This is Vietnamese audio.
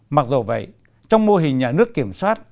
mặc dù vậy trong mô hình nhà nước kiểm soát